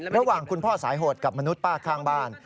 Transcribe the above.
ระหว่างคุณพ่อสายโหดกับมนุษย์ป้าข้างบ้าน